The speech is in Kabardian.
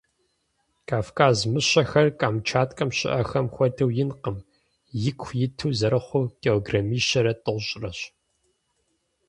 Кавказ мыщэхэр Камчаткэм щыIэхэм хуэдэу инкъым - ику иту зэрыхъур килограммищэрэ тIощIрэщ.